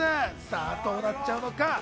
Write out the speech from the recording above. さぁどうなっちゃうのか？